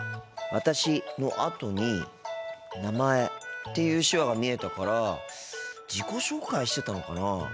「私」のあとに「名前」っていう手話が見えたから自己紹介してたのかなあ。